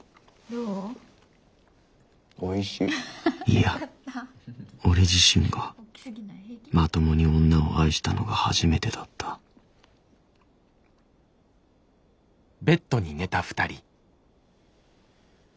いや俺自身がまともに女を愛したのが初めてだったんうん？